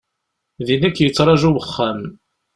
Din i k-yetraju wexxam.